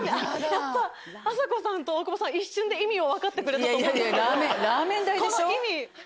やっぱあさこさんと大久保さん一瞬で意味を分かってくれたと思うんですけど。